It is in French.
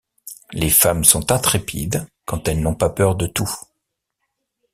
Les femmes sont intrépides quand elles n’ont pas peur de tout.